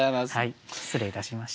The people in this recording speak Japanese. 失礼いたしました。